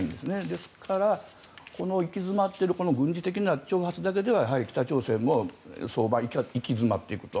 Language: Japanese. ですから、この行き詰まっている軍事的な挑発だけではやはり北朝鮮も早晩、行き詰まっていくと。